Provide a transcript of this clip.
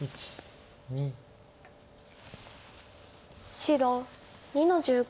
白２の十五。